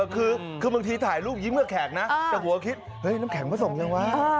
คือบางทีถ่ายรูปยิ้มเมื่อแขกนะแต่หัวคิดน้ำแข็งมาส่งอย่างว่า